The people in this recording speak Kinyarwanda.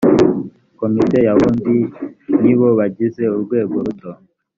komite ya burundu ni bo bagize urwego rutora